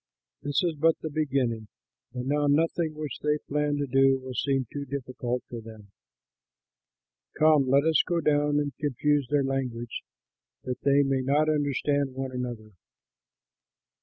This is but the beginning, and now nothing which they plan to do will seem too difficult for them. Come, let us go down and confuse their language, that they may not understand one another."